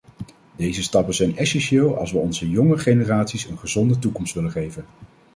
Deze stappen zijn essentieel als we onze jonge generaties een gezonde toekomst willen geven.